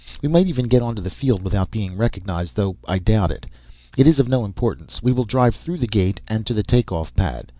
We might even get onto the field without being recognized, though I doubt it. It is of no importance. We will drive through the gate and to the take off pad.